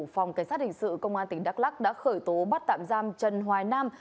phòng cảnh sát hình sự công an tỉnh đắk lắc đã khởi tố bắt tạm giam trần hoài nam